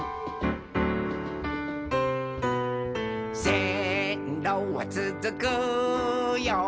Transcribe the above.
「せんろはつづくよ